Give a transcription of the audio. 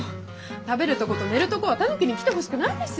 食べるとこと寝るとこはタヌキに来てほしくないですよ！